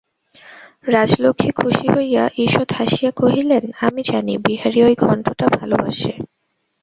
রাজলক্ষ্মী খুশি হইয়া ঈষৎ হাসিয়া কহিলেন, আমি জানি, বিহারী ঐ ঘন্টটা ভালোবাসে।